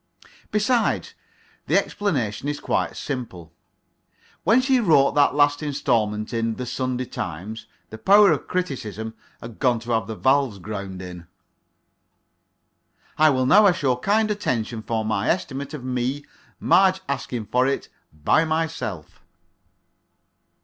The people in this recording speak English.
Besides, the explanation is quite simple. When she wrote that last instalment in "The Sunday Times," the power of criticism had gone to have the valves ground in. I will now ask your kind attention for my estimate of me, Marge Askinforit, by myself.